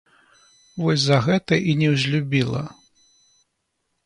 Вось за гэта і неўзлюбіла.